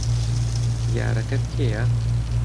یارەکەت کێیە؟